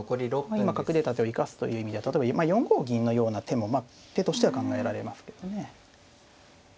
今角出た手を生かすという意味では例えば４五銀のような手もまあ手としては考えられますけどね。